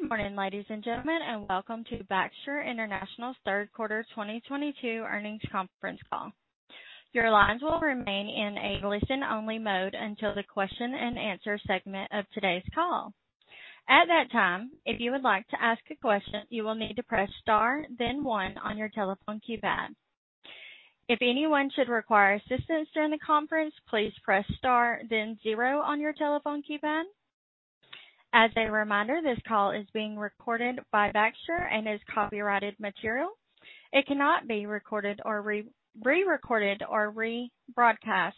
Good morning, ladies and gentlemen, and welcome to Baxter International's third quarter 2022 earnings conference call. Your lines will remain in a listen-only mode until the question-and-answer segment of today's call. At that time, if you would like to ask a question, you will need to press Star, then one on your telephone keypad. If anyone should require assistance during the conference, please press Star, then zero on your telephone keypad. As a reminder, this call is being recorded by Baxter and is copyrighted material. It cannot be recorded or re-recorded or rebroadcast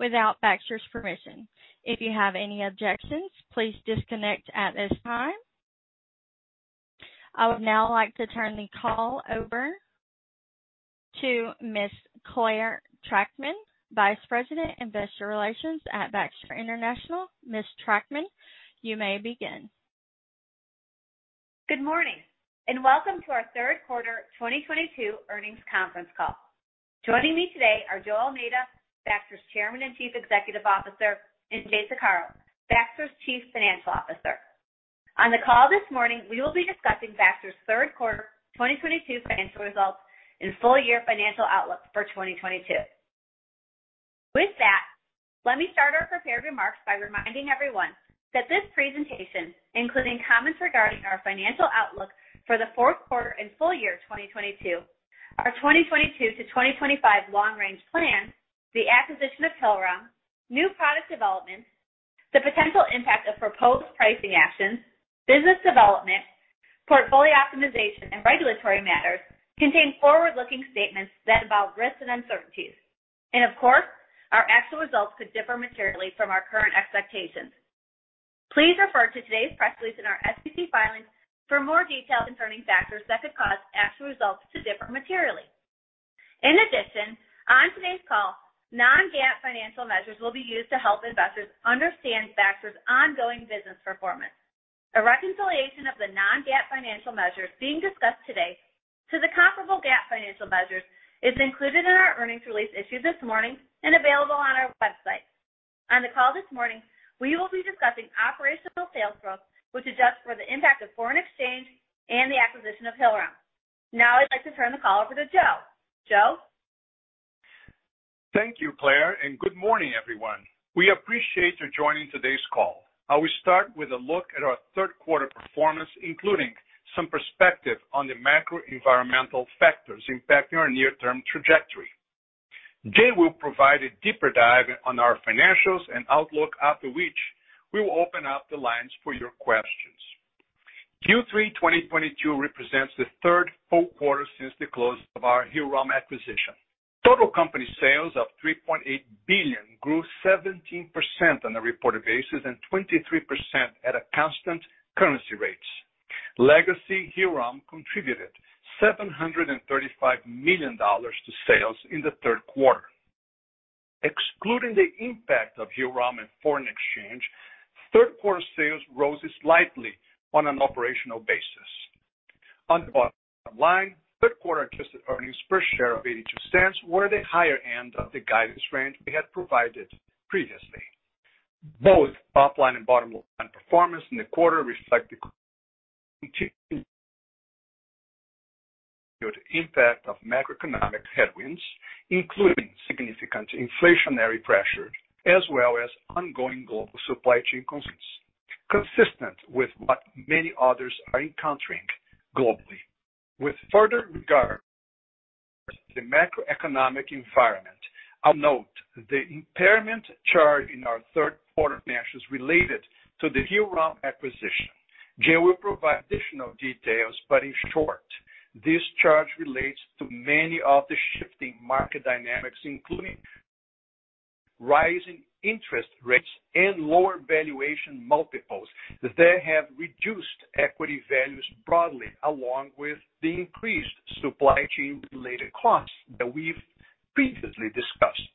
without Baxter's permission. If you have any objections, please disconnect at this time. I would now like to turn the call over to Miss Clare Trachtman, Vice President, Investor Relations at Baxter International. Miss Trachtman, you may begin. Good morning, and welcome to our third quarter 2022 earnings conference call. Joining me today are Joe Almeida, Baxter's Chairman and Chief Executive Officer, and Jay Saccaro, Baxter's Chief Financial Officer. On the call this morning, we will be discussing Baxter's third quarter 2022 financial results and full year financial outlook for 2022. With that, let me start our prepared remarks by reminding everyone that this presentation, including comments regarding our financial outlook for the fourth quarter and full year 2022, our 2022 to 2025 long-range plan, the acquisition of Hillrom, new product developments, the potential impact of proposed pricing actions, business development, portfolio optimization, and regulatory matters contain forward-looking statements that involve risks and uncertainties. Of course, our actual results could differ materially from our current expectations. / Please refer to today's press release in our SEC filings for more details concerning factors that could cause actual results to differ materially. In addition, on today's call, non-GAAP financial measures will be used to help investors understand Baxter's ongoing business performance. A reconciliation of the non-GAAP financial measures being discussed today to the comparable GAAP financial measures is included in our earnings release issued this morning and available on our website. On the call this morning, we will be discussing operational sales growth, which adjusts for the impact of foreign exchange and the acquisition of Hillrom. Now I'd like to turn the call over to Joe. Joe? Thank you, Clare, and good morning, everyone. We appreciate you joining today's call. I will start with a look at our third quarter performance, including some perspective on the macro environmental factors impacting our near-term trajectory. Jay will provide a deeper dive on our financials and outlook, after which we will open up the lines for your questions. Q3 2022 represents the third full quarter since the close of our Hillrom acquisition. Total company sales of $3.8 billion grew 17% on a reported basis and 23% at a constant currency rates. Legacy Hillrom contributed $735 million to sales in the third quarter. Excluding the impact of Hillrom and foreign exchange, third quarter sales rose slightly on an operational basis. On the bottom line, third quarter adjusted earnings per share of $0.82 were the higher end of the guidance range we had provided previously. Both top line and bottom line performance in the quarter reflect the continued impact of macroeconomic headwinds, including significant inflationary pressure as well as ongoing global supply chain constraints, consistent with what many others are encountering globally. With further regard to the macroeconomic environment, I'll note the impairment charge in our third quarter financials related to the Hillrom acquisition. Jay will provide additional details, but in short, this charge relates to many of the shifting market dynamics, including rising interest rates and lower valuation multiples that have reduced equity values broadly, along with the increased supply chain-related costs that we've previously discussed.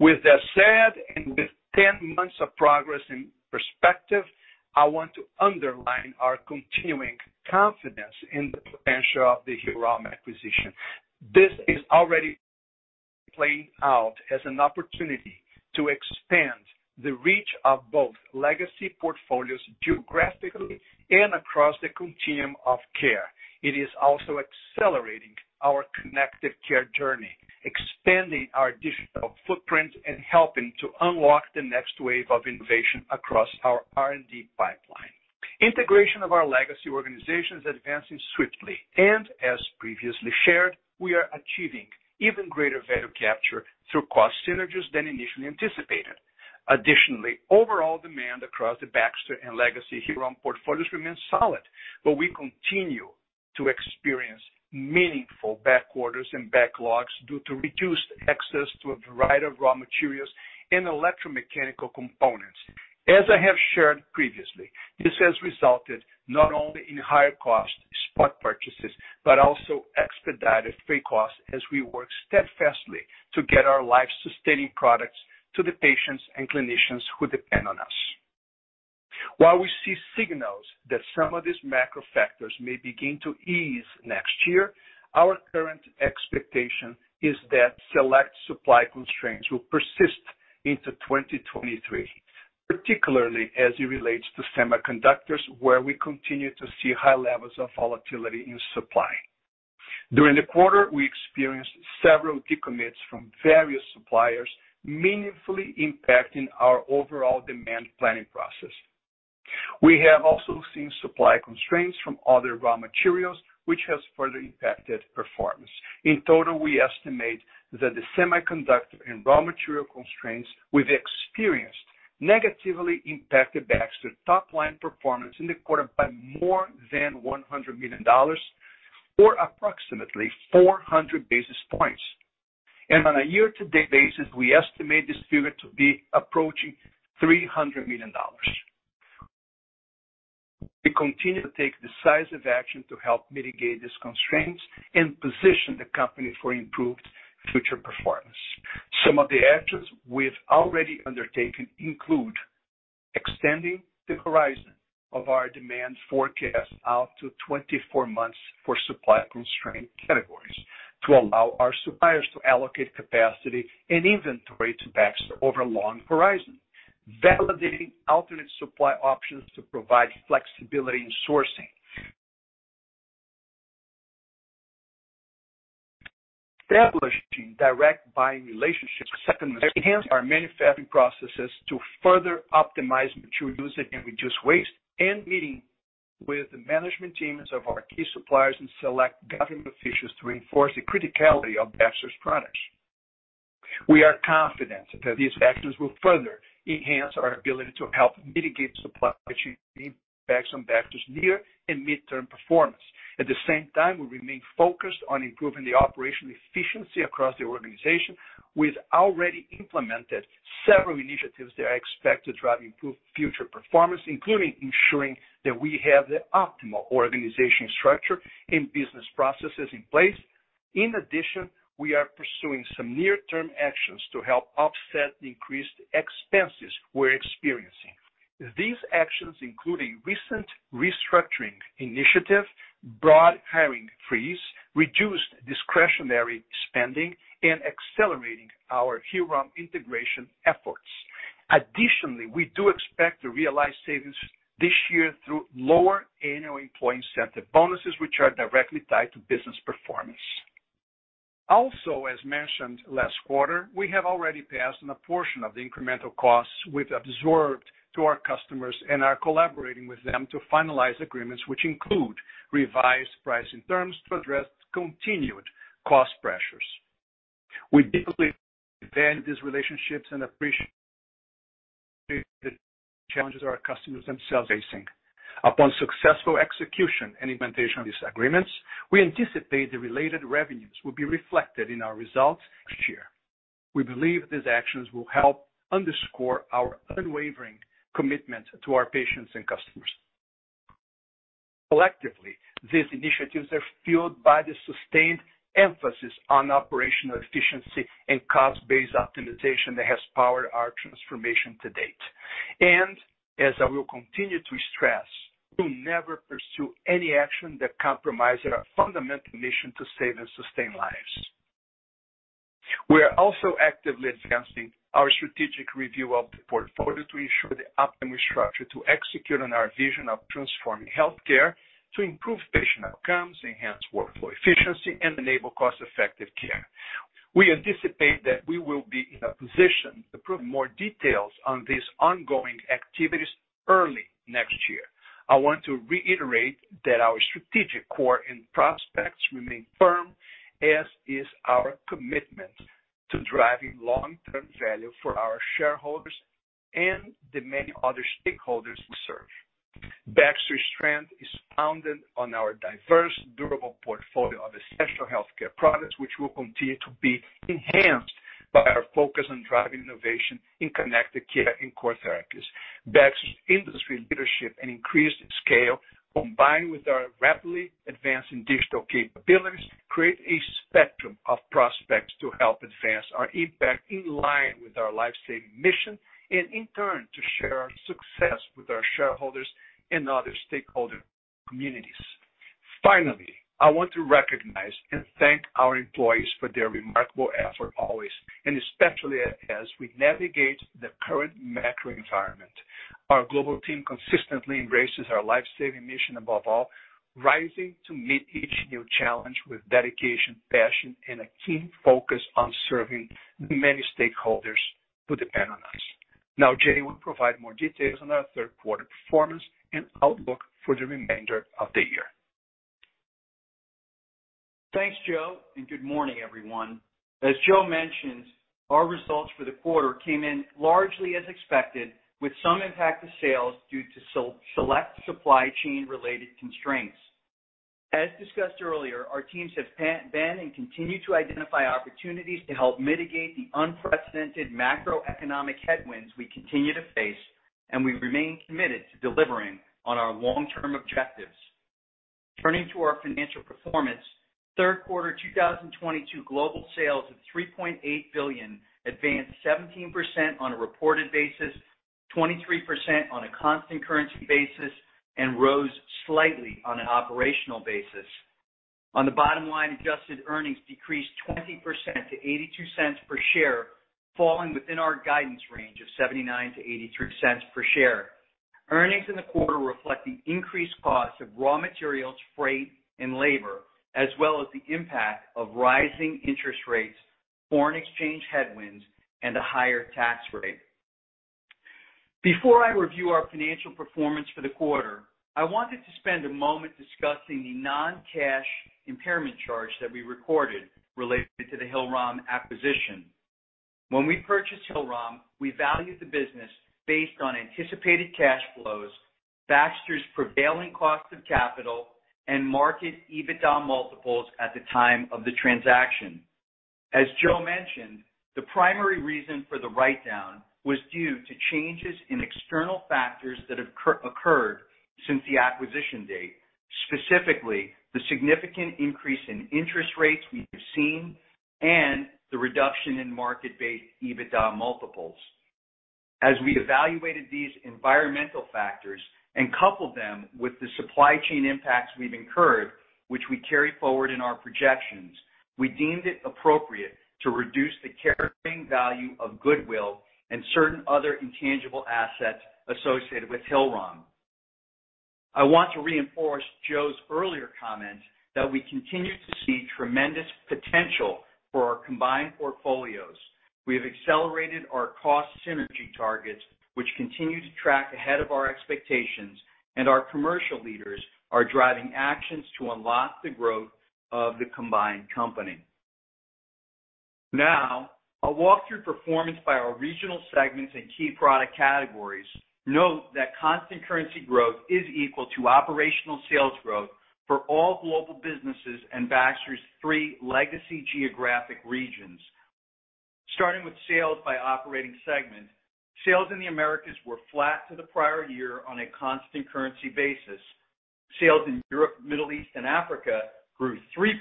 With that said, and with 10 months of progress in perspective, I want to underline our continuing confidence in the potential of the Hillrom acquisition. This is already playing out as an opportunity to expand the reach of both legacy portfolios geographically and across the continuum of care. It is also accelerating our connected care journey, expanding our digital footprint, and helping to unlock the next wave of innovation across our R&D pipeline. Integration of our legacy organization is advancing swiftly, and as previously shared, we are achieving even greater value capture through cost synergies than initially anticipated. Additionally, overall demand across the Baxter and legacy Hillrom portfolios remains solid, but we continue to experience meaningful back orders and backlogs due to reduced access to a variety of raw materials and electromechanical components. As I have shared previously, this has resulted not only in higher cost spot purchases but also expedited freight costs as we work steadfastly to get our life-sustaining products to the patients and clinicians who depend on us. While we see signals that some of these macro factors may begin to ease next year, our current expectation is that select supply constraints will persist into 2023, particularly as it relates to semiconductors, where we continue to see high levels of volatility in supply. During the quarter, we experienced several decommits from various suppliers, meaningfully impacting our overall demand planning process. We have also seen supply constraints from other raw materials, which has further impacted performance. In total, we estimate that the semiconductor and raw material constraints we've experienced negatively impacted Baxter's top-line performance in the quarter by more than $100 million or approximately 400 basis points. On a year-to-date basis, we estimate this figure to be approaching $300 million. We continue to take decisive action to help mitigate these constraints and position the company for improved future performance. Some of the actions we've already undertaken include extending the horizon of our demand forecast out to 24 months for supply-constrained categories to allow our suppliers to allocate capacity and inventory to Baxter over long horizon, validating alternate supply options to provide flexibility in sourcing, establishing direct buying relationships, enhancing our manufacturing processes to further optimize material usage and reduce waste, and meeting with the management teams of our key suppliers and select government officials to reinforce the criticality of Baxter's products. We are confident that these actions will further enhance our ability to help mitigate supply chain impacts on Baxter's near- and midterm performance. At the same time, we remain focused on improving the operational efficiency across the organization. We've already implemented several initiatives that are expected to drive improved future performance, including ensuring that we have the optimal organizational structure and business processes in place. In addition, we are pursuing some near-term actions to help offset the increased expenses we're experiencing. These actions include a recent restructuring initiative, broad hiring freeze, reduced discretionary spending, and accelerating our Hillrom integration efforts. Additionally, we do expect to realize savings this year through lower annual employee incentive bonuses, which are directly tied to business performance. Also, as mentioned last quarter, we have already passed on a portion of the incremental costs we've absorbed to our customers and are collaborating with them to finalize agreements, which include revised pricing terms to address continued cost pressures. We deeply value these relationships and appreciate the challenges our customers themselves are facing. Upon successful execution and implementation of these agreements, we anticipate the related revenues will be reflected in our results next year. We believe these actions will help underscore our unwavering commitment to our patients and customers. Collectively, these initiatives are fueled by the sustained emphasis on operational efficiency and cost-based optimization that has powered our transformation to date. As I will continue to stress, we'll never pursue any action that compromises our fundamental mission to save and sustain lives. We are also actively advancing our strategic review of the portfolio to ensure the optimum structure to execute on our vision of transforming healthcare to improve patient outcomes, enhance workflow efficiency, and enable cost-effective care. We anticipate that we will be in a position to provide more details on these ongoing activities early next year. I want to reiterate that our strategic core and prospects remain firm, as is our commitment to driving long-term value for our shareholders and the many other stakeholders we serve. Baxter's strength is founded on our diverse, durable portfolio of essential healthcare products, which will continue to be enhanced by our focus on driving innovation in connected care and core therapies. Baxter's industry leadership and increased scale, combined with our rapidly advancing digital capabilities, create a spectrum of prospects to help advance our impact in line with our life-saving mission, and in turn, to share our success with our shareholders and other stakeholder communities. Finally, I want to recognize and thank our employees for their remarkable effort always, and especially as we navigate the current macro environment. Our global team consistently embraces our life-saving mission above all, rising to meet each new challenge with dedication, passion, and a keen focus on serving the many stakeholders who depend on us. Now Jay will provide more details on our third quarter performance and outlook for the remainder of the year. Thanks, Joe, and good morning, everyone. As Joe mentioned, our results for the quarter came in largely as expected, with some impact to sales due to select supply chain-related constraints. As discussed earlier, our teams have been and continue to identify opportunities to help mitigate the unprecedented macroeconomic headwinds we continue to face, and we remain committed to delivering on our long-term objectives. Turning to our financial performance, third quarter 2022 global sales of $3.8 billion advanced 17% on a reported basis, 23% on a constant currency basis, and rose slightly on an operational basis. On the bottom line, adjusted earnings decreased 20% to $0.82 per share, falling within our guidance range of $0.79-$0.83 per share. Earnings in the quarter reflect the increased cost of raw materials, freight and labor, as well as the impact of rising interest rates, foreign exchange headwinds and a higher tax rate. Before I review our financial performance for the quarter, I wanted to spend a moment discussing the non-cash impairment charge that we recorded related to the Hillrom acquisition. When we purchased Hillrom, we valued the business based on anticipated cash flows, Baxter's prevailing cost of capital and market EBITDA multiples at the time of the transaction. As Joe mentioned, the primary reason for the write-down was due to changes in external factors that have occurred since the acquisition date, specifically the significant increase in interest rates we have seen and the reduction in market-based EBITDA multiples. As we evaluated these environmental factors and coupled them with the supply chain impacts we've incurred, which we carry forward in our projections, we deemed it appropriate to reduce the carrying value of goodwill and certain other intangible assets associated with Hillrom. I want to reinforce Joe's earlier comment that we continue to see tremendous potential for our combined portfolios. We have accelerated our cost synergy targets, which continue to track ahead of our expectations, and our commercial leaders are driving actions to unlock the growth of the combined company. Now I'll walk through performance by our regional segments and key product categories. Note that constant currency growth is equal to operational sales growth for all global businesses and Baxter's three legacy geographic regions. Starting with sales by operating segment. Sales in the Americas were flat to the prior year on a constant currency basis. Sales in Europe, Middle East and Africa grew 3%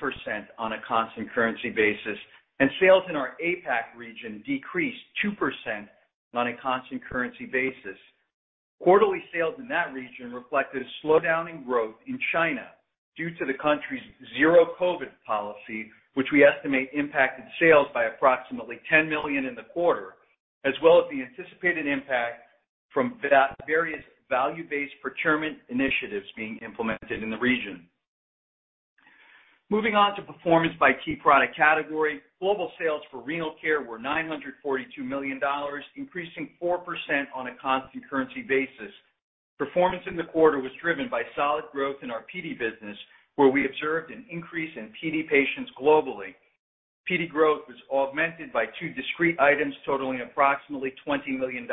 on a constant currency basis, and sales in our APAC region decreased 2% on a constant currency basis. Quarterly sales in that region reflected a slowdown in growth in China due to the country's zero-COVID policy, which we estimate impacted sales by approximately $10 million in the quarter, as well as the anticipated impact from various value-based procurement initiatives being implemented in the region. Moving on to performance by key product category. Global sales for Renal Care were $942 million, increasing 4% on a constant currency basis. Performance in the quarter was driven by solid growth in our PD business, where we observed an increase in PD patients globally. PD growth was augmented by two discrete items totaling approximately $20 million.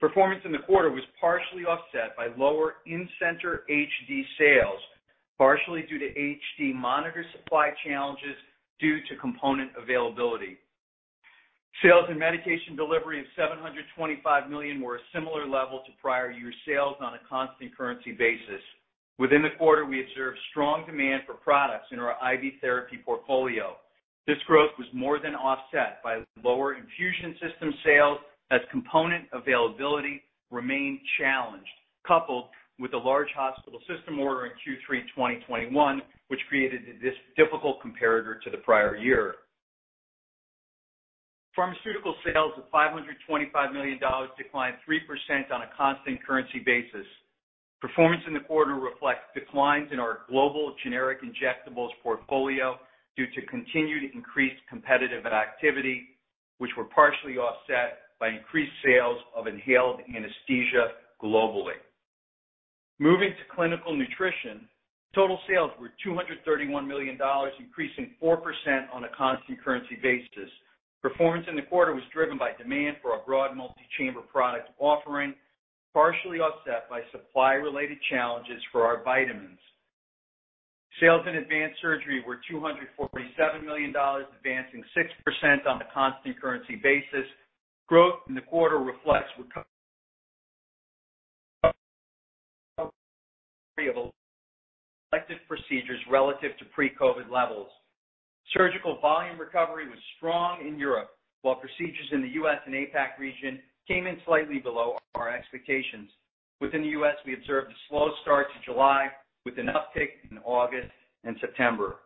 Performance in the quarter was partially offset by lower in-center HD sales, partially due to HD monitor supply challenges due to component availability. Sales in Medication Delivery of $725 million were a similar level to prior year sales on a constant currency basis. Within the quarter, we observed strong demand for products in our IV therapy portfolio. This growth was more than offset by lower infusion system sales as component availability remained challenged, coupled with a large hospital system order in Q3 2021, which created this difficult comparator to the prior year. Pharmaceutical sales of $525 million declined 3% on a constant currency basis. Performance in the quarter reflects declines in our global generic injectables portfolio due to continued increased competitive activity, which were partially offset by increased sales of inhaled anesthesia globally. Moving to Clinical Nutrition, total sales were $231 million, increasing 4% on a constant currency basis. Performance in the quarter was driven by demand for our broad multi-chamber product offering, partially offset by supply-related challenges for our vitamins. Sales in Advanced Surgery were $247 million, advancing 6% on a constant currency basis. Growth in the quarter reflects recovery of elective procedures relative to pre-COVID levels. Surgical volume recovery was strong in Europe, while procedures in the US and APAC region came in slightly below our expectations. Within the US, we observed a slow start to July with an uptick in August and September.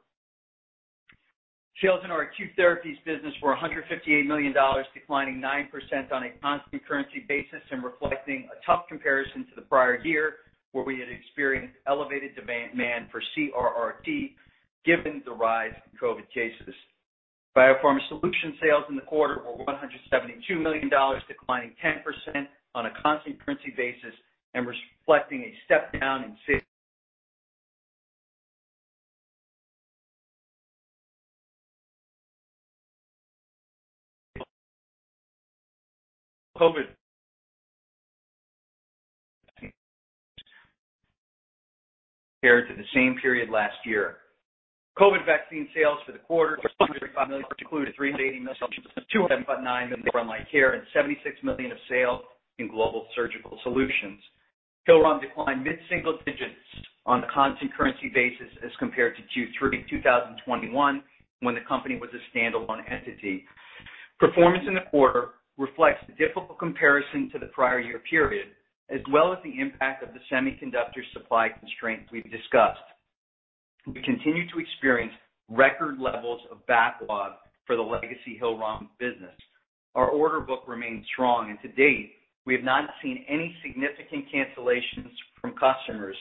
Sales in our Acute Therapies business were $158 million, declining 9% on a constant currency basis and reflecting a tough comparison to the prior year, where we had experienced elevated demand mainly for CRRT, given the rise in COVID cases. Biopharma Solutions sales in the quarter were $172 million, declining 10% on a constant currency basis and reflecting a step down in sales from COVID compared to the same period last year. COVID vaccine sales for the quarter was $105 million, which included $380 million solutions, $207.9 million from LifeCare, and $76 million of sales in Global Surgical Solutions. Hillrom declined mid-single digits on a constant currency basis as compared to Q3 2021, when the company was a standalone entity. Performance in the quarter reflects the difficult comparison to the prior year period, as well as the impact of the semiconductor supply constraints we've discussed. We continue to experience record levels of backlog for the legacy Hillrom business. Our order book remains strong, and to date, we have not seen any significant cancellations from customers.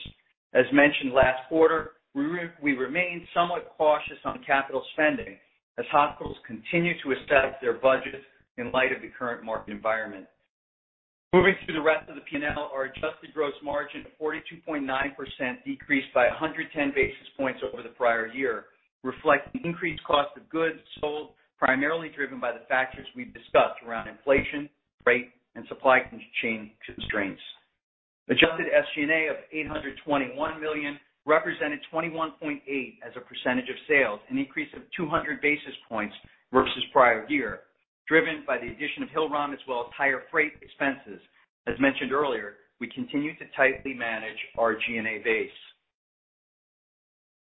As mentioned last quarter, we remain somewhat cautious on capital spending as hospitals continue to establish their budgets in light of the current market environment. Moving to the rest of the P&L, our adjusted gross margin of 42.9% decreased by 110 basis points over the prior year, reflecting increased cost of goods sold, primarily driven by the factors we've discussed around inflation, freight, and supply chain constraints. Adjusted SG&A of $821 million represented 21.8% of sales, an increase of 200 basis points versus prior year, driven by the addition of Hillrom as well as higher freight expenses. As mentioned earlier, we continue to tightly manage our G&A base.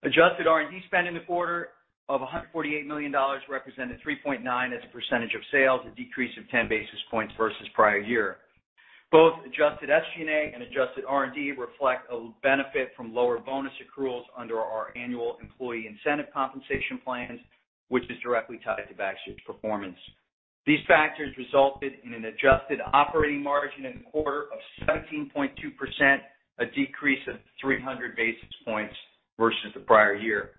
Adjusted R&D spend in the quarter of $148 million represented 3.9% of sales, a decrease of 10 basis points versus prior year. Both adjusted SG&A and adjusted R&D reflect a benefit from lower bonus accruals under our annual employee incentive compensation plans, which is directly tied to Baxter's performance. These factors resulted in an adjusted operating margin in the quarter of 17.2%, a decrease of 300 basis points versus the prior year.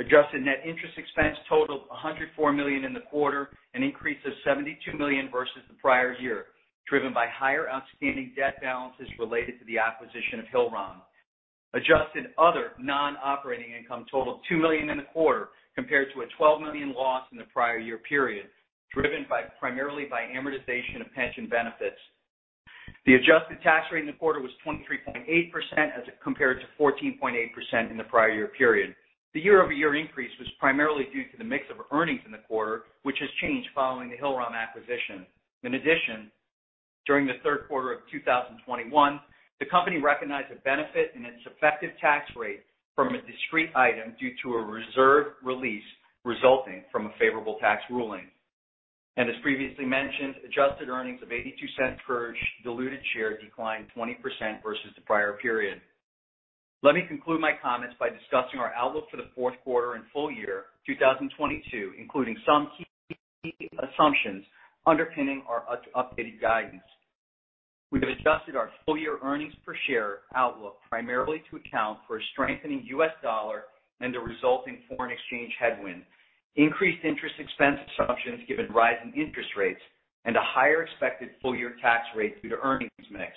Adjusted net interest expense totaled $104 million in the quarter, an increase of $72 million versus the prior year, driven by higher outstanding debt balances related to the acquisition of Hillrom. Adjusted other non-operating income totaled $2 million in the quarter compared to a $12 million loss in the prior year period, driven primarily by amortization of pension benefits. The adjusted tax rate in the quarter was 23.8% as compared to 14.8% in the prior year period. The year-over-year increase was primarily due to the mix of earnings in the quarter, which has changed following the Hillrom acquisition. In addition, during the third quarter of 2021, the company recognized a benefit in its effective tax rate from a discrete item due to a reserve release resulting from a favorable tax ruling. As previously mentioned, adjusted earnings of $0.82 per diluted share declined 20% versus the prior period. Let me conclude my comments by discussing our outlook for the fourth quarter and full year 2022, including some key assumptions underpinning our updated guidance. We have adjusted our full-year earnings per share outlook primarily to account for a strengthening US dollar and the resulting foreign exchange headwind, increased interest expense assumptions given rising interest rates, and a higher expected full-year tax rate due to earnings mix.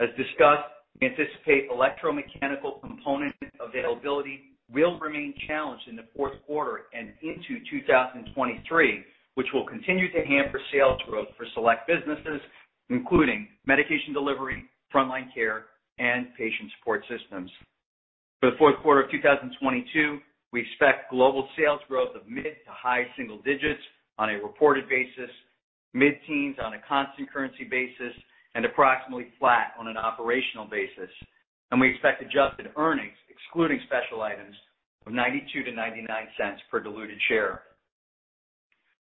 As discussed, we anticipate electromechanical component availability will remain challenged in the fourth quarter and into 2023, which will continue to hamper sales growth for select businesses, including Medication Delivery, Frontline Care, and Patient Support Systems. For the fourth quarter of 2022, we expect global sales growth of mid- to high-single digits on a reported basis, mid-teens on a constant currency basis, and approximately flat on an operational basis. We expect adjusted earnings, excluding special items, of $0.92-$0.99 per diluted share.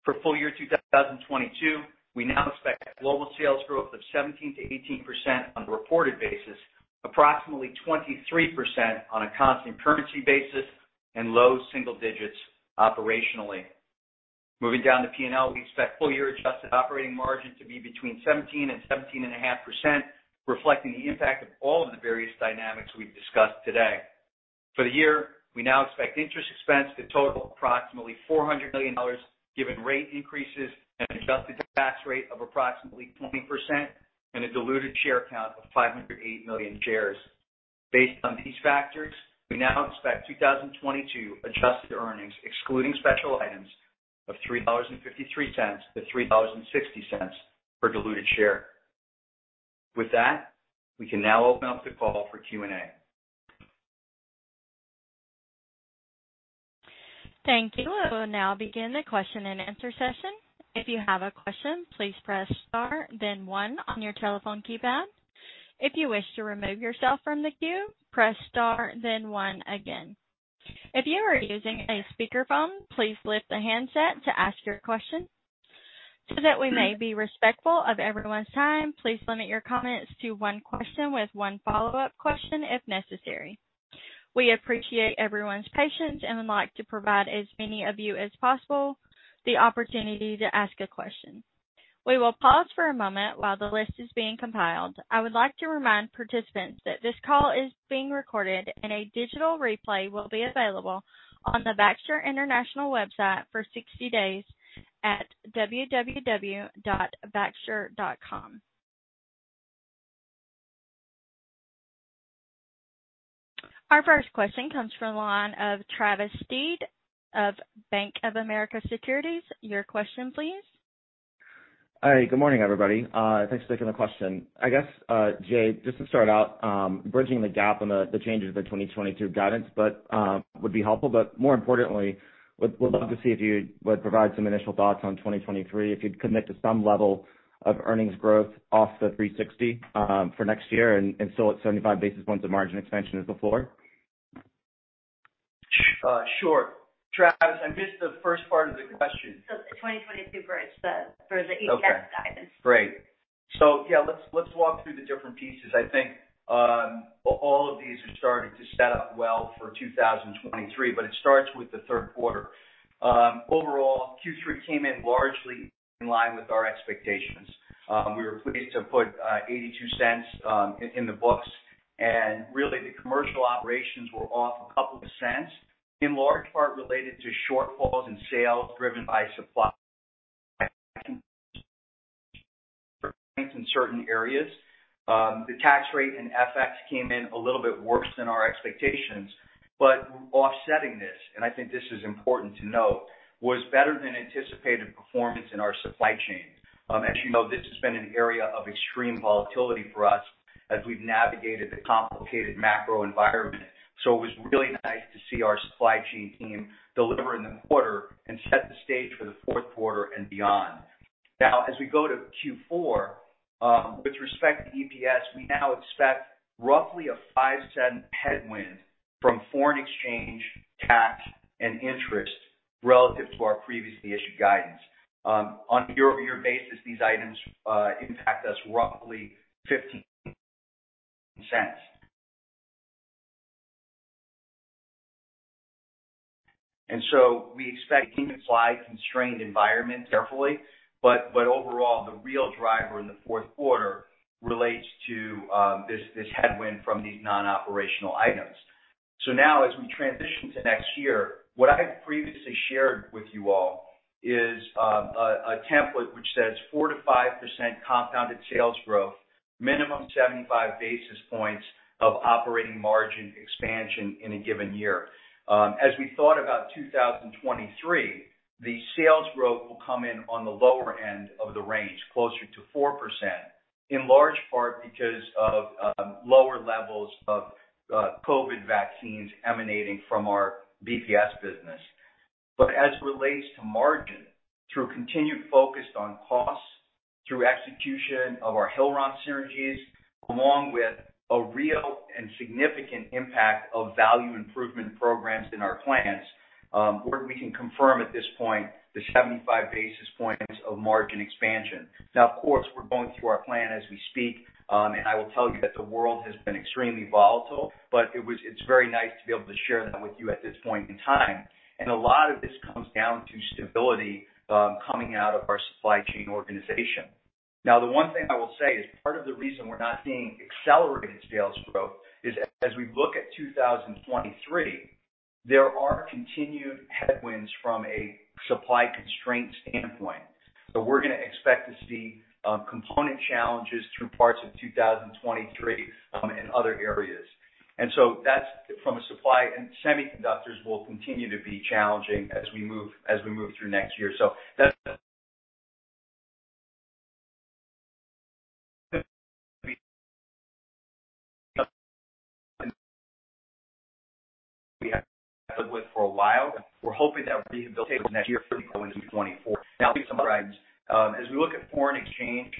For full year 2022, we now expect global sales growth of 17%-18% on a reported basis, approximately 23% on a constant currency basis, and low double digits operationally. Moving down to P&L, we expect full year adjusted operating margin to be between 17% and 17.5%, reflecting the impact of all of the various dynamics we've discussed today. For the year, we now expect interest expense to total approximately $400 million, given rate increases and adjusted tax rate of approximately 20% and a diluted share count of 508 million shares. Based on these factors, we now expect 2022 adjusted earnings, excluding special items, of $3.53-$3.60 per diluted share. With that, we can now open up the call for Q&A. Thank you. We'll now begin the question-and-answer session. If you have a question, please press star then one on your telephone keypad. If you wish to remove yourself from the queue, press star then one again. If you are using a speakerphone, please lift the handset to ask your question. That we may be respectful of everyone's time, please limit your comments to one question with one follow-up question if necessary. We appreciate everyone's patience and would like to provide as many of you as possible the opportunity to ask a question. We will pause for a moment while the list is being compiled. I would like to remind participants that this call is being recorded, and a digital replay will be available on the Baxter International website for 60 days at www.baxter.com. Our first question comes from the line of Travis Steed of Bank of America Securities. Your question, please. Hi, good morning, everybody. Thanks for taking the question. I guess, Jay, just to start out, bridging the gap on the changes of the 2022 guidance, but would be helpful. More importantly, would love to see if you would provide some initial thoughts on 2023, if you'd commit to some level of earnings growth off the $360 for next year, and still at 75 basis points of margin expansion is the floor. Sure. Travis, I missed the first part of the question. The 2022 bridge for the EPS guidance. Great. Yeah, let's walk through the different pieces. I think all of these are starting to set up well for 2023, but it starts with the third quarter. Overall, Q3 came in largely in line with our expectations. We were pleased to put $0.82 in the books. Really, the commercial operations were off a couple of cents, in large part related to shortfalls in sales driven by supply in certain areas. The tax rate and FX came in a little bit worse than our expectations. Offsetting this, and I think this is important to note, was better than anticipated performance in our supply chains. As you know, this has been an area of extreme volatility for us as we've navigated the complicated macro environment. It was really nice to see our supply chain team deliver in the quarter and set the stage for the fourth quarter and beyond. Now, as we go to Q4, with respect to EPS, we now expect roughly a $0.05 headwind from foreign exchange, tax, and interest relative to our previously issued guidance. On a year-over-year basis, these items impact us roughly $0.15. We expect supply-constrained environment carefully, but overall, the real driver in the fourth quarter relates to this headwind from these non-operational items. Now as we transition to next year, what I previously shared with you all is a template which says 4%-5% compounded sales growth, minimum 75 basis points of operating margin expansion in a given year. As we thought about 2023, the sales growth will come in on the lower end of the range, closer to 4%, in large part because of lower levels of COVID vaccines emanating from our BPS business. As it relates to margin, through continued focus on costs, through execution of our Hillrom synergies, along with a real and significant impact of value improvement programs in our plants, where we can confirm at this point the 75 basis points of margin expansion. Now, of course, we're going through our plan as we speak, and I will tell you that the world has been extremely volatile, but it's very nice to be able to share that with you at this point in time. A lot of this comes down to stability coming out of our supply chain organization. Now, the one thing I will say is part of the reason we're not seeing accelerated sales growth is as we look at 2023, there are continued headwinds from a supply constraint standpoint. We're gonna expect to see component challenges through parts of 2023 in other areas. Semiconductors will continue to be challenging as we move through next year. That's what we have lived with for a while. We're hoping that will be built next year going into 2024. Now, as we look at foreign exchange,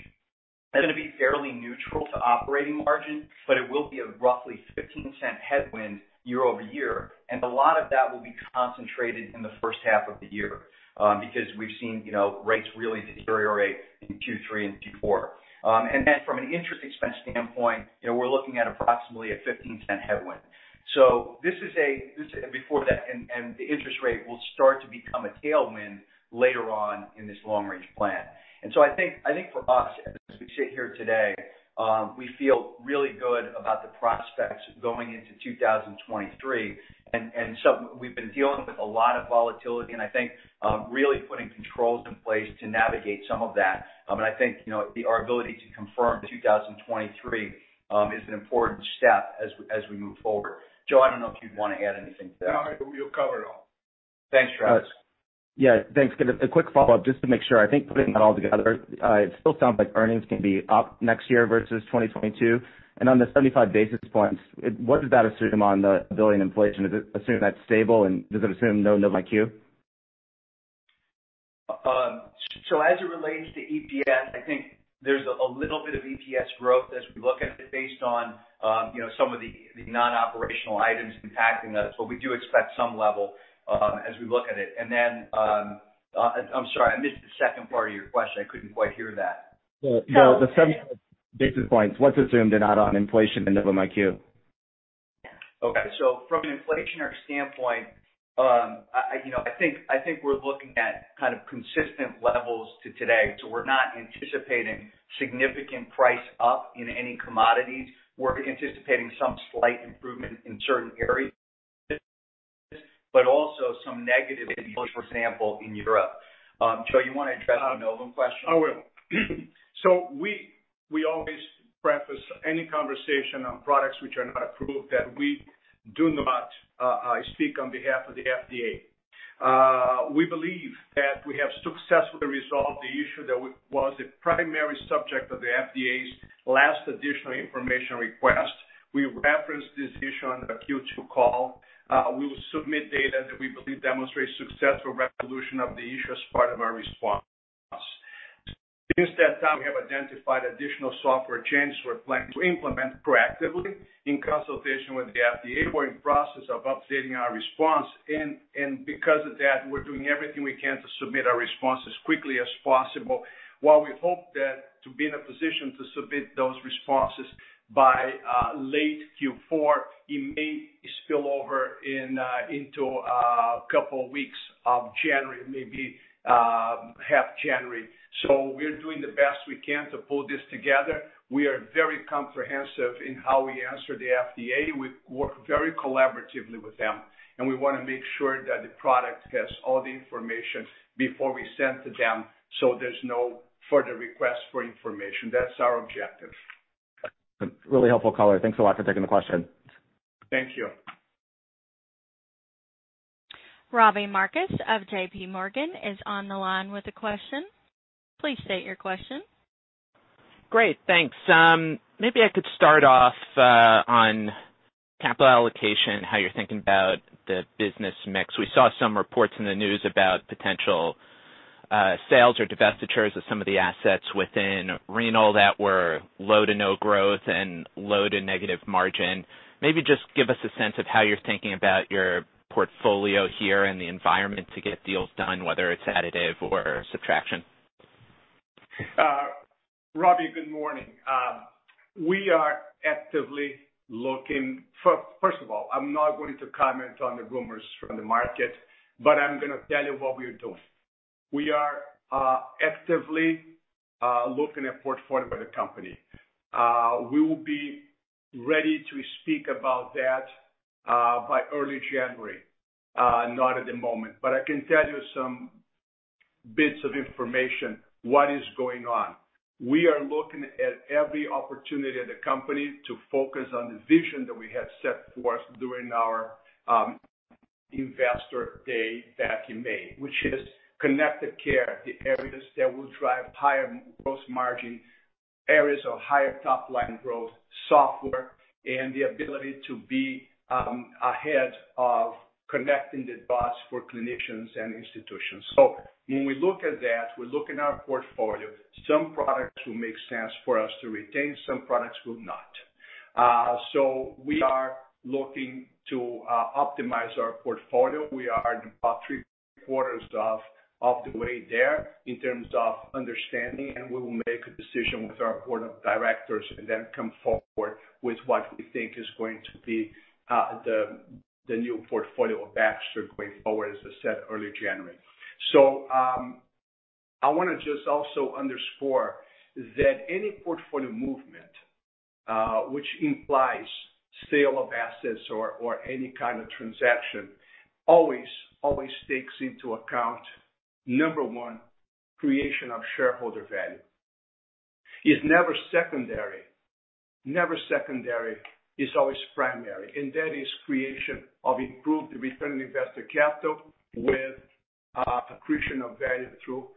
that's gonna be fairly neutral to operating margin, but it will be a roughly $0.15 headwind year-over-year. A lot of that will be concentrated in the first half of the year because we've seen, you know, rates really deteriorate in Q3 and Q4. Then from an interest expense standpoint, you know, we're looking at approximately a $0.15 headwind. Before that, the interest rate will start to become a tailwind later on in this long range plan. I think for us, as we sit here today, we feel really good about the prospects going into 2023. We've been dealing with a lot of volatility and I think really putting controls in place to navigate some of that. I think, you know, our ability to confirm 2023 is an important step as we move forward. Joe, I don't know if you'd wanna add anything to that. No, I think you covered it all. Thanks, Travis. Yeah, thanks. Good. A quick follow-up just to make sure. I think putting that all together, it still sounds like earnings can be up next year versus 2022. On the 75 basis points, it, what does that assume on the building inflation? Is it assuming that's stable, and does it assume no Novum IQ? As it relates to EPS, I think there's a little bit of EPS growth as we look at it based on some of the non-operational items impacting us. We do expect some level as we look at it. I'm sorry, I missed the second part of your question. I couldn't quite hear that. The 75 basis points, what's assumed and not on inflation and Novum IQ? Okay. From an inflationary standpoint, you know, I think we're looking at kind of consistent levels to today. We're not anticipating significant price up in any commodities. We're anticipating some slight improvement in certain areas, but also some negative, for example, in Europe. Joe, you wanna address the Novo question? I will. We always preface any conversation on products which are not approved that we do not speak on behalf of the FDA. We believe that we have successfully resolved the issue that was the primary subject of the FDA's last additional information request. We referenced this issue on the Q2 call. We will submit data that we believe demonstrates successful resolution of the issue as part of our response. Since that time, we have identified additional software changes we're planning to implement proactively in consultation with the FDA. We're in process of updating our response. Because of that, we're doing everything we can to submit our response as quickly as possible. While we hope that to be in a position to submit those responses by late Q4, it may spill over into a couple of weeks of January, maybe half January. We're doing the best we can to pull this together. We are very comprehensive in how we answer the FDA. We work very collaboratively with them, and we want to make sure that the product has all the information before we send to them, so there's no further request for information. That's our objective. Really helpful color. Thanks a lot for taking the question. Thank you. Robbie Marcus of J.P. Morgan is on the line with a question. Please state your question. Great. Thanks. Maybe I could start off on capital allocation, how you're thinking about the business mix. We saw some reports in the news about potential sales or divestitures of some of the assets within Renal that were low to no growth and low to negative margin. Maybe just give us a sense of how you're thinking about your portfolio here and the environment to get deals done, whether it's additive or subtraction. Robbie, good morning. First of all, I'm not going to comment on the rumors from the market, but I'm gonna tell you what we are doing. We are actively looking at portfolio of the company. We will be ready to speak about that by early January, not at the moment. I can tell you some bits of information, what is going on. We are looking at every opportunity of the company to focus on the vision that we have set forth during our investor day back in May, which is connected care, the areas that will drive higher gross margin, areas of higher top line growth software, and the ability to be ahead of connecting the dots for clinicians and institutions. When we look at that, we look in our portfolio, some products will make sense for us to retain, some products will not. We are looking to optimize our portfolio. We are about three-quarters of the way there in terms of understanding, and we will make a decision with our board of directors and then come forward with what we think is going to be the new portfolio of Baxter going forward, as I said, early January. I wanna just also underscore that any portfolio movement which implies sale of assets or any kind of transaction always takes into account, number one, creation of shareholder value. It's never secondary. It's always primary, and that is creation of improved return on investor capital with accretion of value through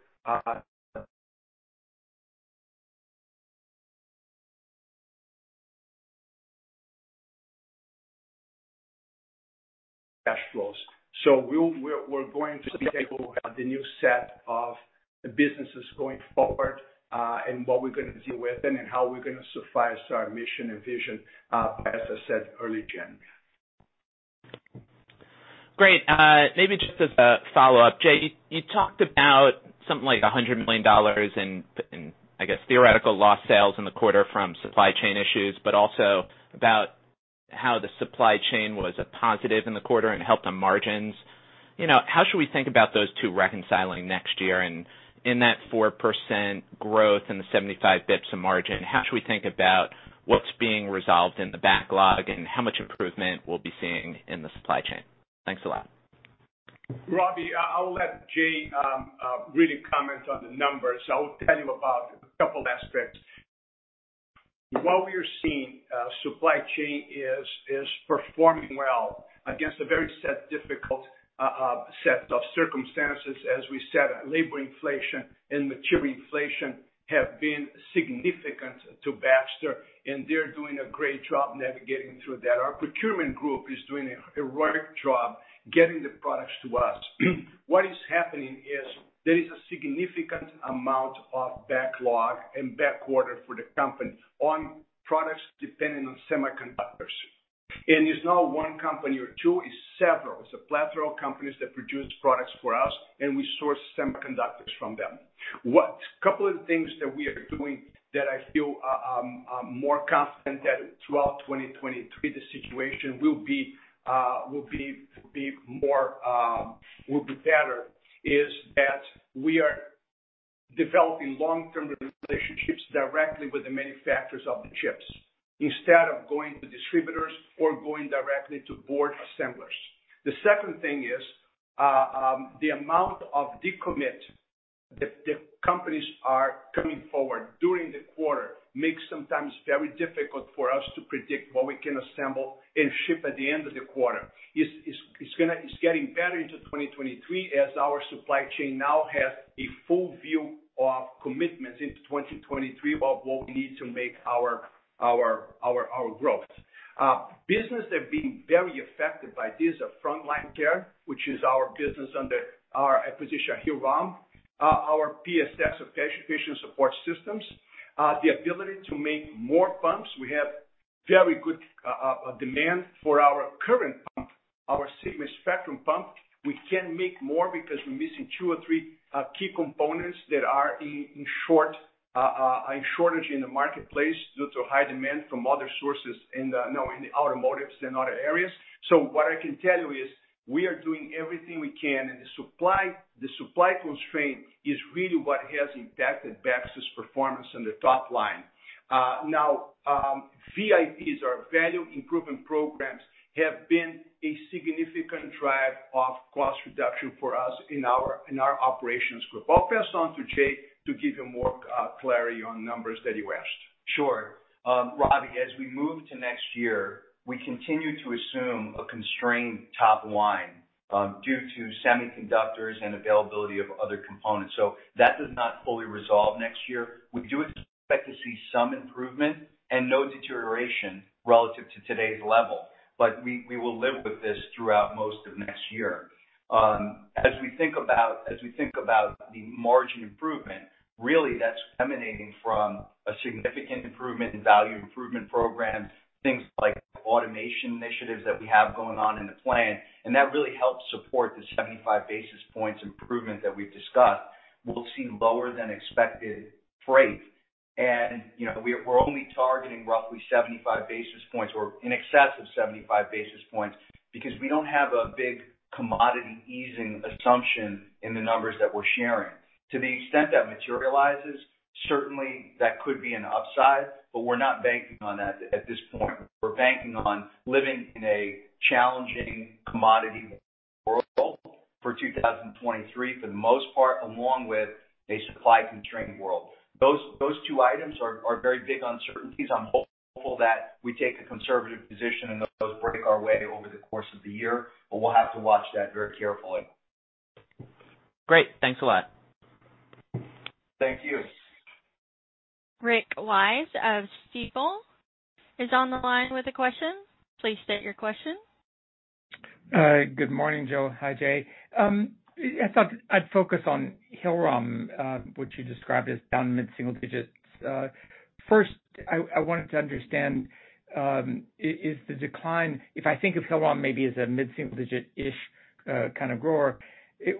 cash flows. We're going to enable the new set of businesses going forward, and what we're gonna do with them and how we're gonna suffice our mission and vision, as I said, early January. Great. Maybe just as a follow-up. Jay, you talked about something like $100 million in, I guess, theoretical lost sales in the quarter from supply chain issues, but also about how the supply chain was a positive in the quarter and helped the margins. You know, how should we think about those two reconciling next year? And in that 4% growth and the 75 basis points of margin, how should we think about what's being resolved in the backlog and how much improvement we'll be seeing in the supply chain? Thanks a lot. Robbie, I'll let Jay really comment on the numbers. I will tell you about a couple aspects. What we are seeing, supply chain is performing well against a very difficult set of circumstances. As we said, labor inflation and material inflation have been significant to Baxter, and they're doing a great job navigating through that. Our procurement group is doing a great job getting the products to us. What is happening is there is a significant amount of backlog and back order for the company on products depending on semiconductors. It's not one company or two, it's several. It's a plethora of companies that produce products for us, and we source semiconductors from them. A couple of things that we are doing that I feel more confident that throughout 2023 the situation will be better is that we are developing long-term relationships directly with the manufacturers of the chips instead of going to distributors or going directly to board assemblers. The second thing is the amount of decommit the companies are coming forward during the quarter makes sometimes very difficult for us to predict what we can assemble and ship at the end of the quarter. It's getting better into 2023 as our supply chain now has a full view of commitments into 2023 of what we need to make our growth. Businesses have been very affected by this are Frontline Care, which is our business under our acquisition Hillrom. Our PSS or Patient Support Systems. The ability to make more pumps. We have very good demand for our current pump, our Sigma Spectrum pump. We can't make more because we're missing two or three key components that are in shortage in the marketplace due to high demand from other sources in the automotives and other areas. What I can tell you is we are doing everything we can, and the supply constraint is really what has impacted Baxter's performance on the top line. VIPs, our Value Improvement Programs, have been a significant driver of cost reduction for us in our operations group. I'll pass on to Jay to give you more clarity on numbers that you asked. Sure. Robbie, as we move to next year, we continue to assume a constrained top line, due to semiconductors and availability of other components. That does not fully resolve next year. We do expect to see some improvement and no deterioration relative to today's level. We will live with this throughout most of next year. As we think about the margin improvement, really that's emanating from a significant improvement in Value Improvement Programs, things like automation initiatives that we have going on in the plan, and that really helps support the 75 basis points improvement that we've discussed. We'll see lower than expected freight. You know, we're only targeting roughly 75 basis points or in excess of 75 basis points because we don't have a big commodity easing assumption in the numbers that we're sharing. To the extent that materializes, certainly that could be an upside, but we're not banking on that at this point. We're banking on living in a challenging commodity world for 2023 for the most part, along with a supply-constrained world. Those two items are very big uncertainties. I'm hopeful that we take a conservative position and those break our way over the course of the year, but we'll have to watch that very carefully. Great. Thanks a lot. Thank you. Rick Wise of Stifel is on the line with a question. Please state your question. Good morning, Joe. Hi, Jay. I thought I'd focus on Hillrom, which you described as down mid-single digits. First, I wanted to understand if I think of Hillrom maybe as a mid-single digit-ish kind of grower,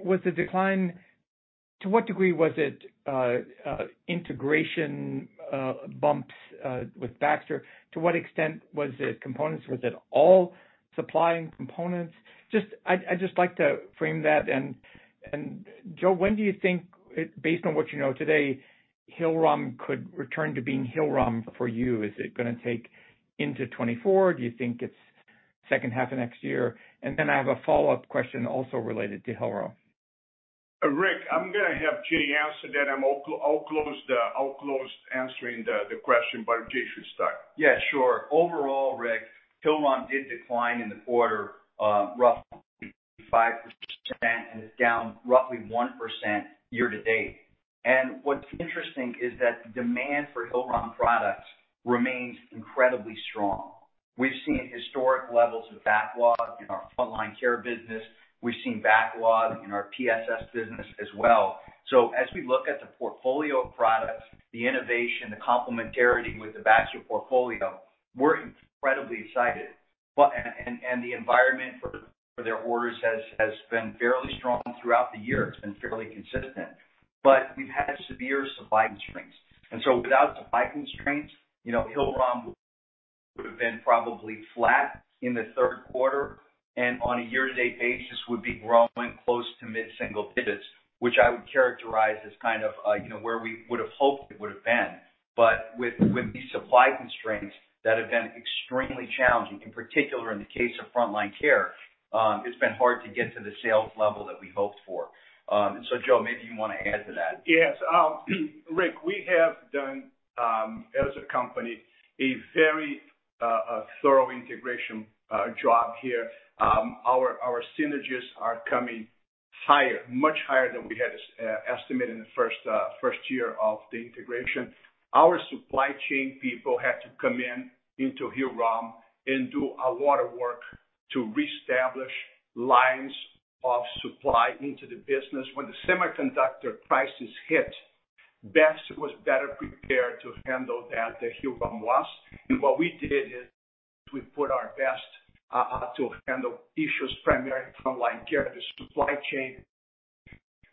was the decline to what degree was it integration bumps with Baxter? To what extent was it components? Was it all supplying components? Just, I'd just like to frame that. Joe, when do you think it, based on what you know today, Hillrom could return to being Hillrom for you? Is it gonna take into 2024? Do you think it's second half of next year? Then I have a follow-up question also related to Hillrom. Rick, I'm gonna have Jay answer that. I'll close answering the question, but Jay should start. Yeah, sure. Overall, Rick, Hillrom did decline in the quarter, roughly 5%, and it's down roughly 1% year to date. What's interesting is that demand for Hillrom products remains incredibly strong. We've seen historic levels of backlog in our Frontline Care business. We've seen backlog in our PSS business as well. As we look at the portfolio of products, the innovation, the complementarity with the Baxter portfolio, we're incredibly excited. The environment for their orders has been fairly strong throughout the year. It's been fairly consistent. We've had severe supply constraints. Without supply constraints, you know, Hillrom would have been probably flat in the third quarter, and on a year-to-date basis, would be growing close to mid-single digits, which I would characterize as kind of, you know, where we would've hoped it would've been. With these supply constraints that have been extremely challenging, in particular in the case of Frontline Care, it's been hard to get to the sales level that we hoped for. Joe, maybe you wanna add to that. Yes. Rick, we have done, as a company, a very, thorough integration job here. Our synergies are coming higher, much higher than we had estimated in the first year of the integration. Our supply chain people had to come in, into Hillrom and do a lot of work to reestablish lines of supply into the business. When the semiconductor crisis hit, Baxter was better prepared to handle that than Hillrom was. What we did is we put our best to handle issues primarily in Frontline Care. The supply chain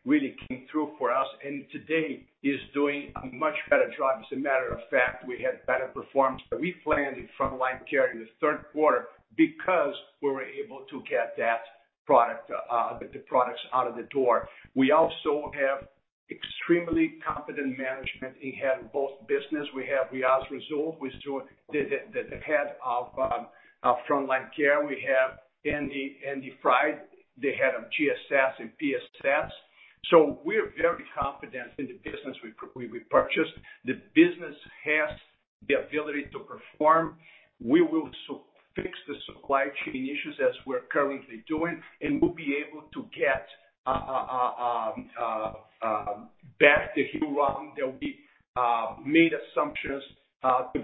really came through for us, and today is doing a much better job. As a matter of fact, we had better performance than we planned in Frontline Care in the third quarter because we were able to get that product, the products out of the door. We also have extremely competent management in the head of both businesses. We have Riaz Rasul, who's the head of Frontline Care. We have Andy Sy, the head of GSS and PSS. We're very confident in the business we purchased. The business has the ability to perform. We will fix the supply chain issues as we're currently doing, and we'll be able to get back to Hillrom. There'll be some assumptions made,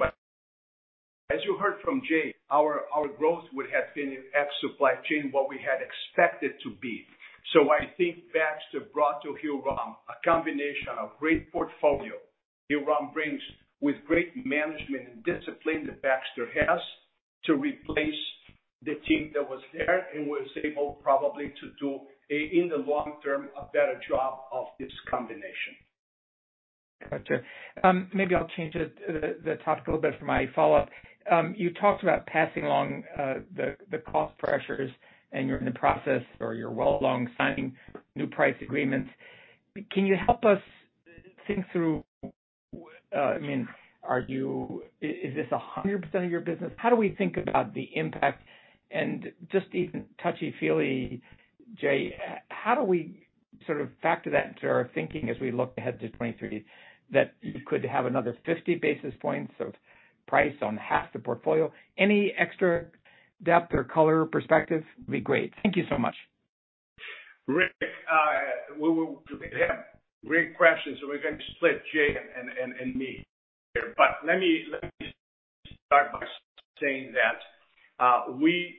but as you heard from Jay, our growth would have been, ex supply chain, what we had expected to be. I think Baxter brought to Hillrom a combination of great portfolio Hillrom brings with great management and discipline that Baxter has to replace the team that was there and was able, probably, to do, in the long term, a better job of this combination. Gotcha. Maybe I'll change the topic a little bit for my follow-up. You talked about passing along the cost pressures and you're in the process or you're well along signing new price agreements. Can you help us think through, I mean, is this 100% of your business? How do we think about the impact? Just even touchy-feely, Jay, how do we sort of factor that into our thinking as we look ahead to 2023 that you could have another 50 basis points of price on half the portfolio? Any extra depth or color perspective would be great. Thank you so much. Rick, we have great questions, so we're gonna split Jay and me here. Let me start by saying that, we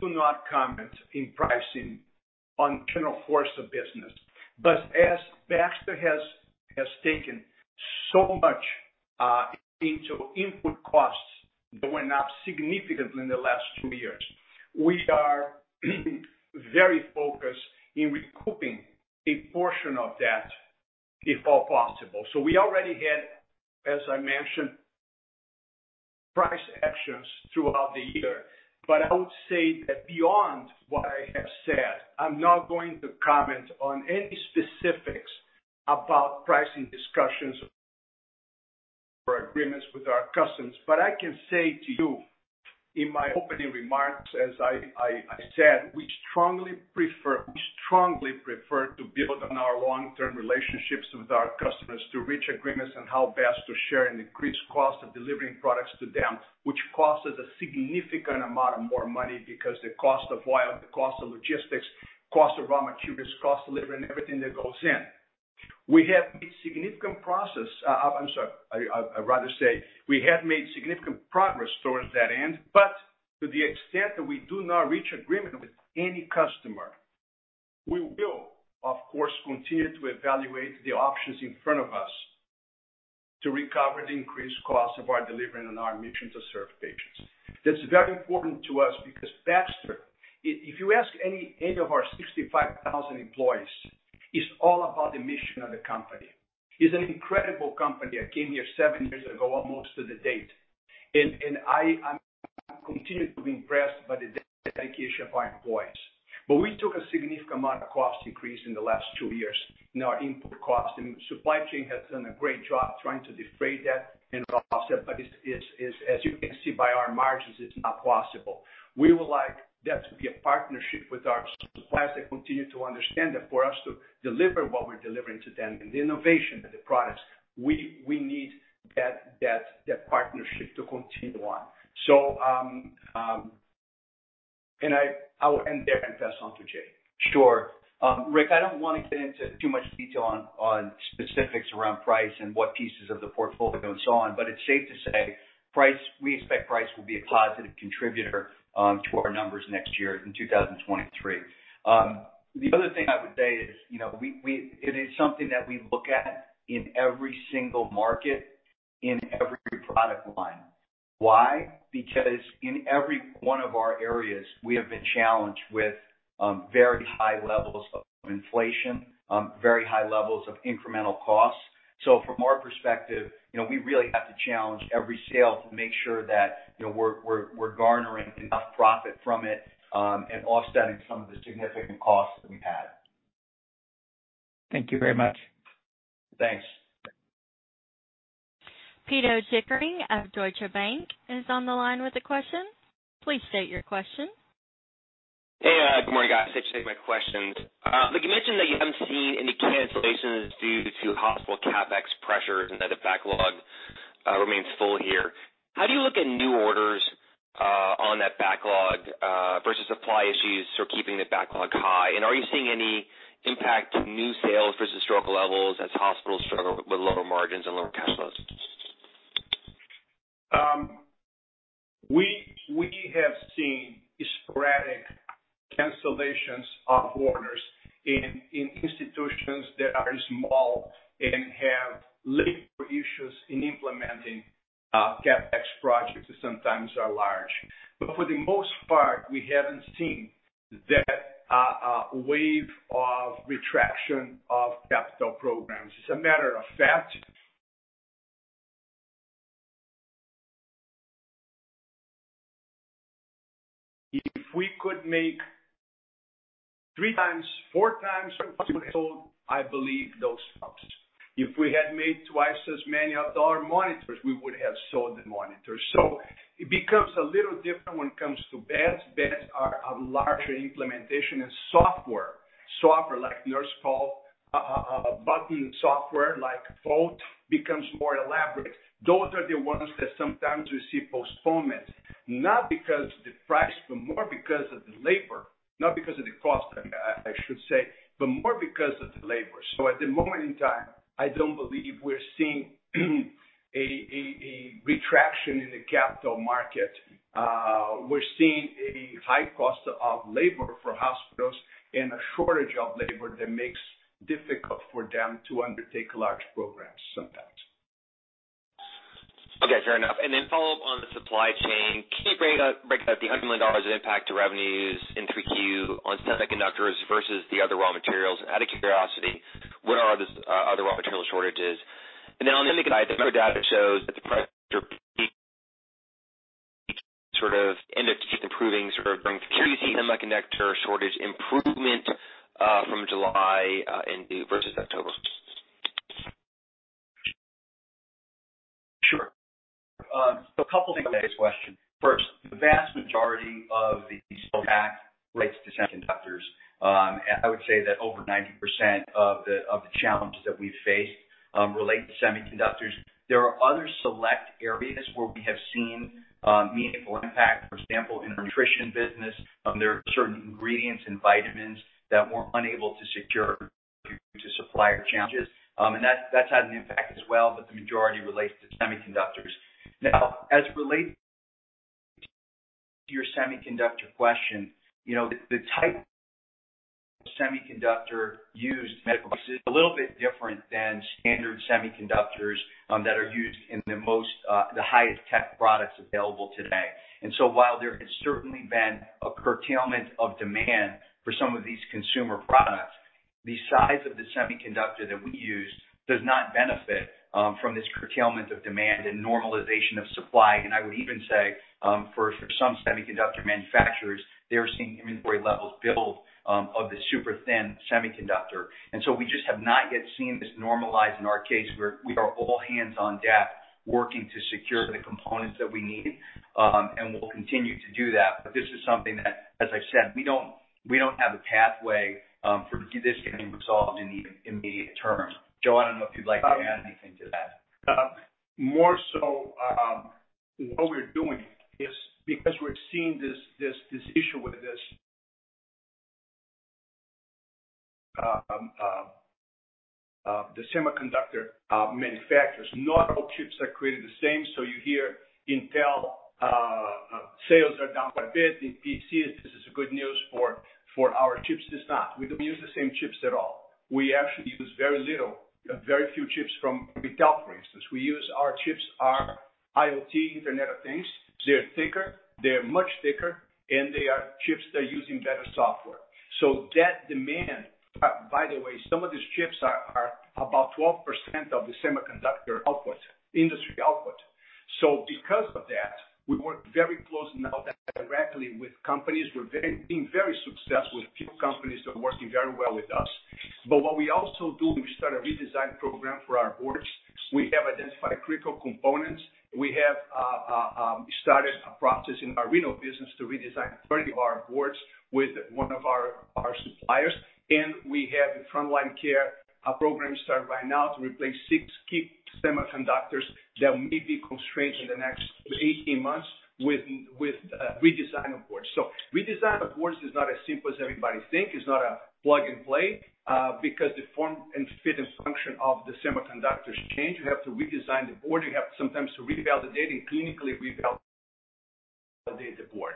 do not comment on pricing on general course of business. As Baxter has taken so much into input costs that went up significantly in the last two years, we are very focused on recouping a portion of that if at all possible. We already had, as I mentioned, price actions throughout the year. I would say that beyond what I have said, I'm not going to comment on any specifics about pricing discussions or agreements with our customers. I can say to you in my opening remarks as I said, we strongly prefer to build on our long-term relationships with our customers to reach agreements on how best to share an increased cost of delivering products to them, which costs us a significant amount of more money because the cost of oil, the cost of logistics, cost of raw materials, cost of labor, and everything that goes in. We have made significant progress towards that end. I'd rather say we have made significant progress towards that end. To the extent that we do not reach agreement with any customer, we will of course continue to evaluate the options in front of us to recover the increased cost of our delivery and our mission to serve patients. That's very important to us because Baxter, if you ask any one of our 65,000 employees, it's all about the mission of the company. It's an incredible company. I came here seven years ago, almost to the date, and I continue to be impressed by the dedication of our employees. We took a significant amount of cost increase in the last two years in our input costs, and supply chain has done a great job trying to deflate that and offset, but it's, as you can see by our margins, it's not possible. We would like that to be a partnership with our suppliers. They continue to understand that for us to deliver what we're delivering to them and the innovation and the products, we need that partnership to continue on.I will end there and pass on to Jay. Sure. Rick, I don't wanna get into too much detail on specifics around price and what pieces of the portfolio and so on, but it's safe to say price, we expect price will be a positive contributor, to our numbers next year in 2023. The other thing I would say is, you know, we, it is something that we look at in every single market, in every product line. Why? Because in every one of our areas, we have been challenged with, very high levels of inflation, very high levels of incremental costs. From our perspective, you know, we really have to challenge every sale to make sure that, you know, we're garnering enough profit from it, and offsetting some of the significant costs that we've had. Thank you very much. Thanks. Pito Chickering of Deutsche Bank is on the line with a question. Please state your question. Hey, good morning, guys. Thanks for taking my questions. Look, you mentioned that you haven't seen any cancellations due to hospital CapEx pressures and that the backlog remains full here. How do you look at new orders on that backlog versus supply issues for keeping the backlog high? Are you seeing any impact to new sales versus historical levels as hospitals struggle with lower margins and lower cash flows? We have seen sporadic cancellations of orders in institutions that are small and have labor issues in implementing CapEx projects that sometimes are large. For the most part, we haven't seen that wave of retraction of capital programs. As a matter of fact, if we could make 3 times, 4 times I believe those. If we had made twice as many of our monitors, we would have sold the monitors. It becomes a little different when it comes to beds. Beds are a larger implementation. Software like nurse call button software like Voalte becomes more elaborate. Those are the ones that sometimes receive postponement, not because of the price, but more because of the labor. Not because of the cost, I should say, but more because of the labor. At the moment in time, I don't believe we're seeing a retraction in the capital market. We're seeing a high cost of labor for hospitals and a shortage of labor that makes difficult for them to undertake large programs sometimes. Okay. Fair enough. Follow up on the supply chain. Can you break down the $100 million of impact to revenues in 3Q on semiconductors versus the other raw materials? Out of curiosity, where are the other raw material shortages? On the semiconductors, the macro data shows that the prices are peaking sort of end of improving, sort of bringing semiconductor shortage improvement from July into versus October. Sure. A couple things to that question. First, the vast majority of the impact relates to semiconductors. I would say that over 90% of the challenges that we've faced relate to semiconductors. There are other select areas where we have seen meaningful impact. For example, in our nutrition business, there are certain ingredients and vitamins that we're unable to secure due to supplier challenges. That's had an impact as well. But the majority relates to semiconductors. Now, as it relates to your semiconductor question, you know, the type of semiconductor used in medical is a little bit different than standard semiconductors that are used in the highest tech products available today. While there has certainly been a curtailment of demand for some of these consumer products, the size of the semiconductor that we use does not benefit from this curtailment of demand and normalization of supply. I would even say for some semiconductor manufacturers, they are seeing inventory levels build of the super thin semiconductor. We just have not yet seen this normalized in our case, where we are all hands on deck working to secure the components that we need. We'll continue to do that. This is something that, as I said, we don't have a pathway for this to be resolved in the immediate term. Joe, I don't know if you'd like to add anything to that. More so, what we're doing is because we're seeing this issue with the semiconductor manufacturers. Not all chips are created the same. You hear Intel sales are down quite a bit in PCs. This is good news for our chips. It's not. We don't use the same chips at all. We actually use very little, very few chips from Intel, for instance. We use our chips, our IoT, Internet of Things. They're thicker, much thicker, and they are chips that are using better software. By the way, some of these chips are about 12% of the semiconductor industry output. Because of that, we work very closely now directly with companies. We're very successful with a few companies that are working very well with us. What we also do, we start a redesign program for our boards. We have identified critical components. We have started a process in our Renal business to redesign 30 of our boards with one of our suppliers. We have in Frontline Care a program started right now to replace six key semiconductors that may be constrained in the next 18 months with redesign of boards. Redesign of boards is not as simple as everybody thinks. It's not a plug and play because the form and fit and function of the semiconductors change. You have to redesign the board. You have sometimes to revalidate and clinically revalidate the board.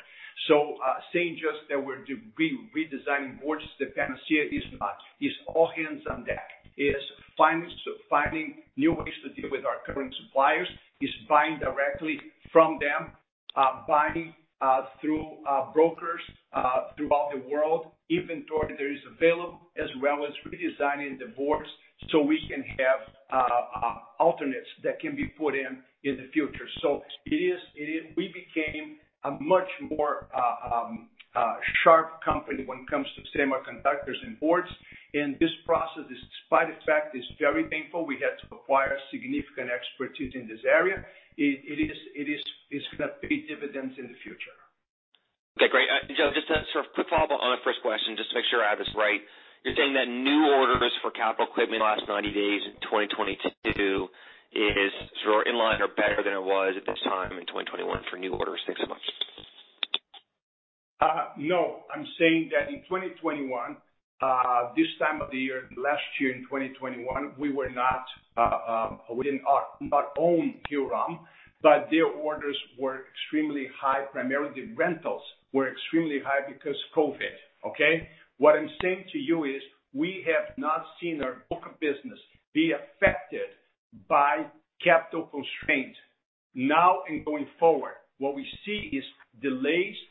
Saying just that we're redesigning boards, the panacea is not. It's all hands on deck. It's finding new ways to deal with our current suppliers. It's buying directly from them, buying through brokers throughout the world, even though there is available, as well as redesigning the boards so we can have alternates that can be put in the future. We became a much more sharp company when it comes to semiconductors and boards. This process is, despite the fact it's very painful, we had to acquire significant expertise in this area. It's got big dividends in the future. Okay, great. Joe, just a sort of quick follow up on our first question, just to make sure I have this right. You're saying that new orders for capital equipment in the last 90 days in 2022 is sort of in line or better than it was at this time in 2021 for new orders six months? No, I'm saying that in 2021, this time of the year, last year in 2021, orders were extremely high. Primarily, rentals were extremely high because COVID, okay? What I'm saying to you is we have not seen our book of business be affected by capital constraints now and going forward. What we see is delays in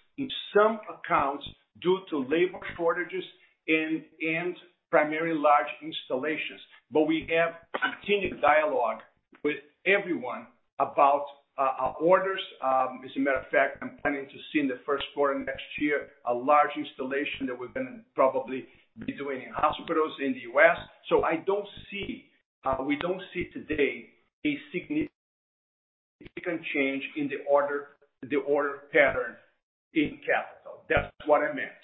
some accounts due to labor shortages and primarily large installations. We have continued dialogue with everyone about our orders. As a matter of fact, I'm planning to see in the first quarter next year a large installation that we're gonna probably be doing in hospitals in the U.S. I don't see, we don't see today a significant change in the order pattern in capital. That's what I meant.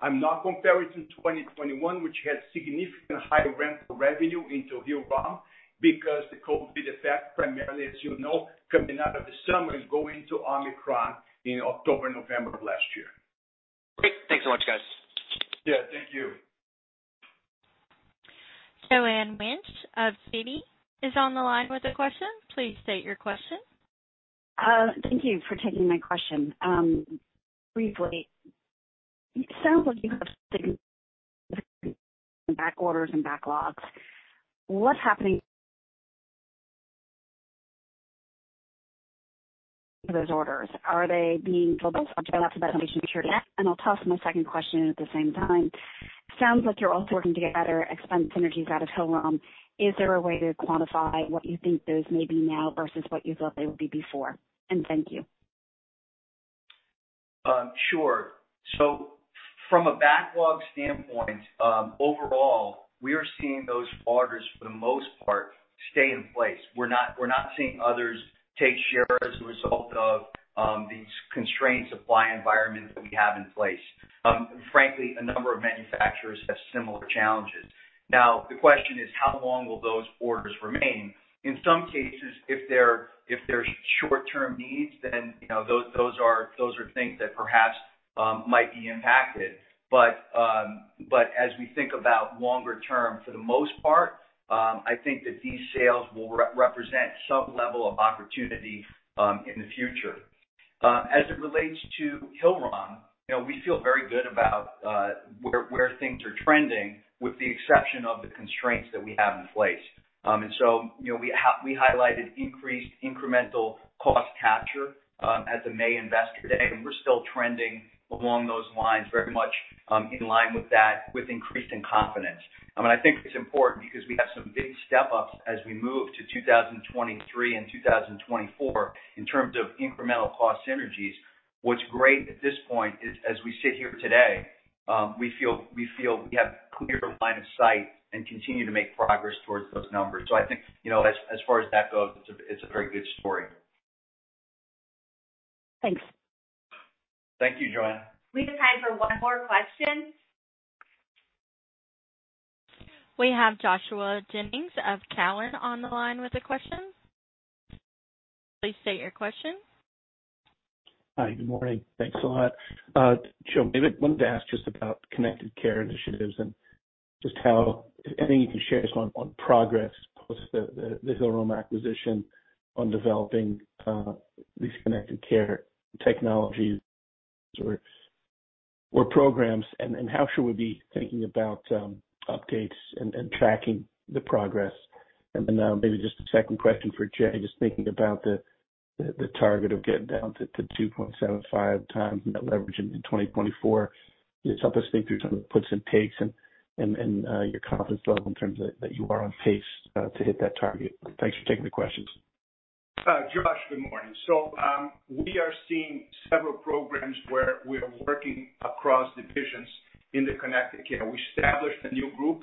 I'm not comparing to 2021, which had significant higher rental revenue into PSS because the COVID effect, primarily, as you know, coming out of the summer and going to Omicron in October, November of last year. Great. Thanks so much, guys. Yeah, thank you. Joanne Wuensch of Citi is on the line with a question. Please state your question. Thank you for taking my question. Briefly, it sounds like you have some back orders and backlogs. What's happening to those orders? Are they being filled? I'll toss my second question in at the same time. Sounds like you're also working to get better expense synergies out of Hillrom. Is there a way to quantify what you think those may be now versus what you thought they would be before? Thank you. Sure. From a backlog standpoint, overall, we are seeing those orders, for the most part, stay in place. We're not seeing others take share as a result of these constrained supply environments that we have in place. Frankly, a number of manufacturers have similar challenges. Now the question is how long will those orders remain? In some cases, if there's short-term needs, then you know those are things that perhaps might be impacted. As we think about longer term, for the most part, I think that these sales will represent some level of opportunity in the future. As it relates to Hillrom, you know, we feel very good about where things are trending, with the exception of the constraints that we have in place. You know, we highlighted increased incremental cost capture at the May Investor Day, and we're still trending along those lines, very much in line with that with increasing confidence. I mean, I think it's important because we have some big step-ups as we move to 2023 and 2024 in terms of incremental cost synergies. What's great at this point is, as we sit here today, we feel we have clear line of sight and continue to make progress towards those numbers. I think, you know, as far as that goes, it's a very good story. Thanks. Thank you, Joanne. We have time for one more question. We have Joshua Jennings of Cowen on the line with a question. Please state your question. Hi, good morning. Thanks a lot. Joe, maybe wanted to ask just about connected care initiatives and just how, if anything you can share just on progress post the Hillrom acquisition on developing these connected care technologies or programs. How should we be thinking about updates and tracking the progress? Then maybe just a second question for Jay, just thinking about the target of getting down to 2.75 times net leverage in 2024. Can you just help us think through some of the puts and takes and your confidence level in terms of that you are on pace to hit that target? Thanks for taking the questions. Josh, good morning. We are seeing several programs where we're working across divisions in the connected care. We established a new group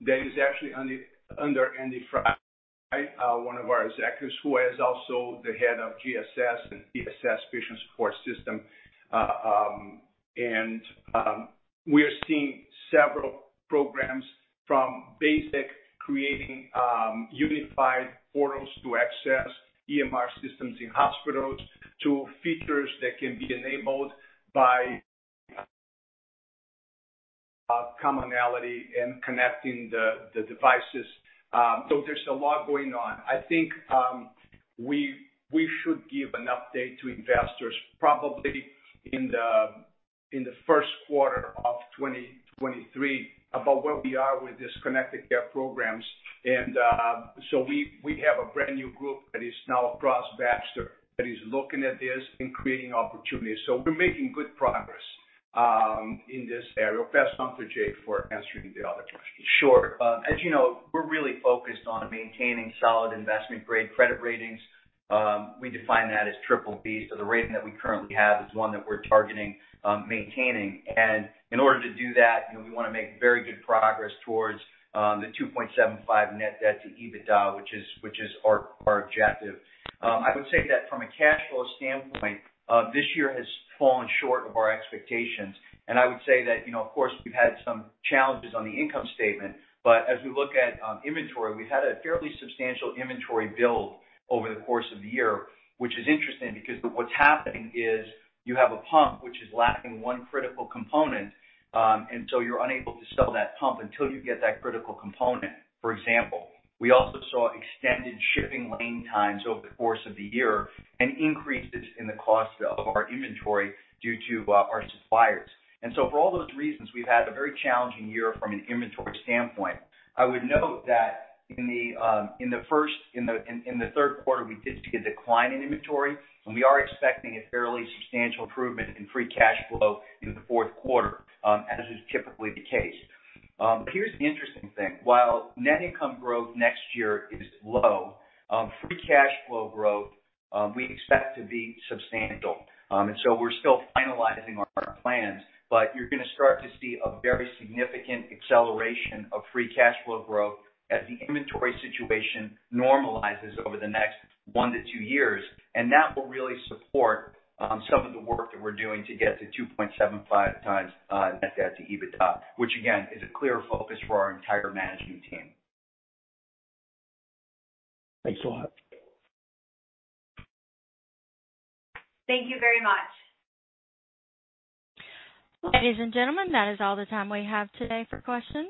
that is actually under Andy Sy, one of our executives, who is also the head of GSS and PSS. We are seeing several programs from basically creating unified portals to access EMR systems in hospitals to features that can be enabled by commonality in connecting the devices. There's a lot going on. I think we should give an update to investors probably in the first quarter of 2023 about where we are with these connected care programs. We have a brand new group that is now across Baxter that is looking at this and creating opportunities. We're making good progress in this area. Pass on to Jay for answering the other questions. Sure. As you know, we're really focused on maintaining solid investment-grade credit ratings. We define that as BBB. The rating that we currently have is one that we're targeting, maintaining. In order to do that, you know, we wanna make very good progress towards the 2.75 net debt to EBITDA, which is our objective. I would say that from a cash flow standpoint, this year has fallen short of our expectations. I would say that, you know, of course, we've had some challenges on the income statement, but as we look at inventory, we've had a fairly substantial inventory build over the course of the year, which is interesting because what's happening is you have a pump which is lacking one critical component, and so you're unable to sell that pump until you get that critical component. For example, we also saw extended shipping lane times over the course of the year and increases in the cost of our inventory due to our suppliers. For all those reasons, we've had a very challenging year from an inventory standpoint. I would note that in the third quarter, we did see a decline in inventory, and we are expecting a fairly substantial improvement in free cash flow into the fourth quarter, as is typically the case. Here's the interesting thing. While net income growth next year is low, free cash flow growth, we expect to be substantial. We're still finalizing our plans, but you're gonna start to see a very significant acceleration of free cash flow growth as the inventory situation normalizes over the next 1-2 years. That will really support some of the work that we're doing to get to 2.75x net debt to EBITDA, which again is a clear focus for our entire management team. Thanks a lot. Thank you very much. Ladies and gentlemen, that is all the time we have today for questions.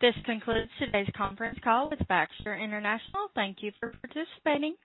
This concludes today's conference call with Baxter International. Thank you for participating.